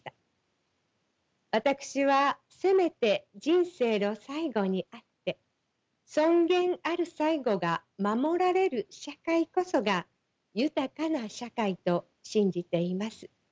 私はせめて人生の最期にあって尊厳ある最期が守られる社会こそが豊かな社会と信じています。